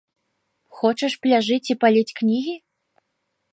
Хочаш пляжыць і паліць кнігі?